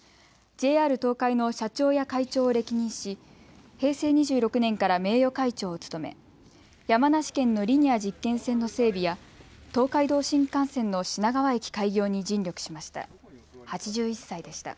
ＪＲ東海の社長や会長を歴任し平成２６年から名誉会長を務め山梨県のリニア実験線の整備や東海道新幹線の品川駅開業に尽力しました。